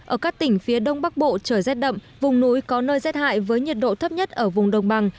ở các tỉnh phía đông bắc bộ trời rét đậm vùng núi có nơi rét hại với nhiệt độ thấp nhất ở vùng đồng bằng